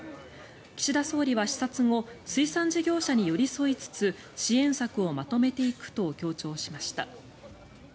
岸田総理は視察後水産事業者に寄り添いつつ支援策をまとめていくと強調しました。